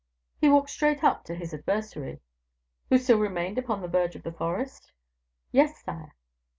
"He walked straight up to his adversary." "Who still remained upon the verge of the forest?" "Yes, sire.